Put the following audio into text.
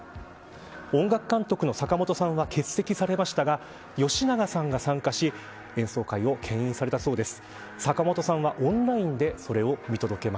音楽監督の坂本さんは欠席されましたが吉永さんが参加し演奏会をけん引されたそうです。